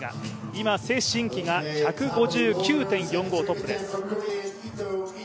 今、崔宸曦が１５９．４５、トップです。